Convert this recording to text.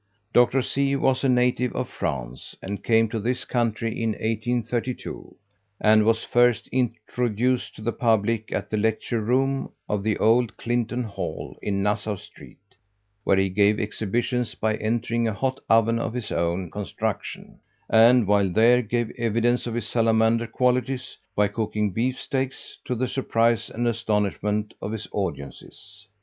Dr. C. was a native of France, and came to this country in 1832, and was first introduced to the public at the lecture room of the old Clinton Hall, in Nassau Street, where he gave exhibitions by entering a hot oven of his own construction, and while there gave evidence of his salamander qualities by cooking beef steaks, to the surprise and astonishment of his audiences.